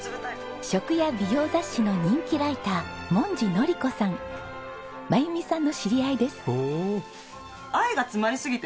食や美容雑誌の人気ライター真弓さんの知り合いです。